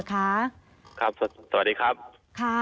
สวัสดีครับ